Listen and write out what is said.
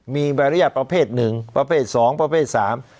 มีใบอนุญาตประเภทหนึ่งประเภทสองประเภทสาม